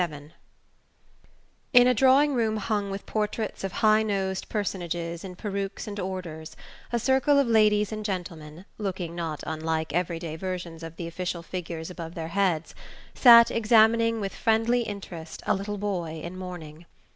XXXVII In a drawing room hung with portraits of high nosed personages in perukes and orders, a circle of ladies and gentlemen, looking not unlike every day versions of the official figures above their heads, sat examining with friendly interest a little boy in mourning.